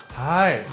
はい。